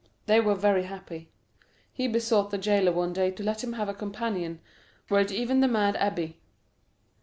They were very happy. He besought the jailer one day to let him have a companion, were it even the mad abbé.